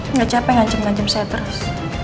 enggak capek ngajem ngajem saya terus